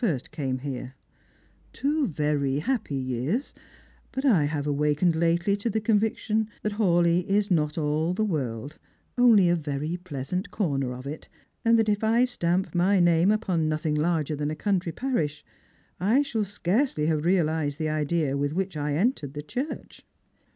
st came here — two very happy years ; but I have awakened lately to the conviction that Hawleigh is not ail the world, only a very pleasant corner of it; and that if I stamp my name upon nothing larger than a country j^arish, I shall scarcely have realised the idea with which I entered the Church."